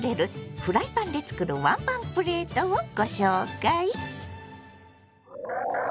フライパンで作るワンパンプレートをご紹介！